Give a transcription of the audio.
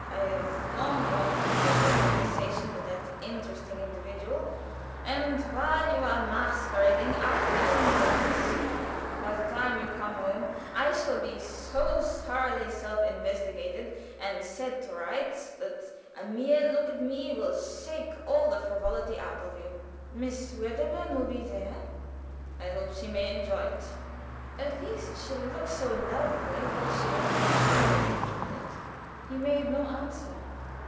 I have long wanted a little conversation with that interesting individual, and while you are masquerading, I will be doing the reverse. By the time you come home I shall be so thoroughly self investigated and set to rights that a mere look at me will shake all the frivolity out of you." "Miss Wedderburn will be there." "I hope she may enjoy it." "At least she will look so lovely that she will make others enjoy it." He made no answer.